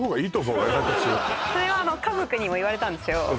それは家族にも言われたんですよ